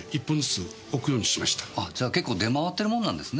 あじゃあ結構出回ってるものなんですね。